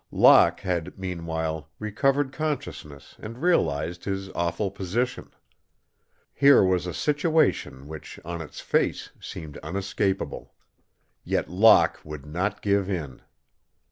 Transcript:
Locke had, meanwhile, recovered consciousness and realized his awful position. Here was a situation which, on its face, seemed unescapable. Yet Locke would not give in.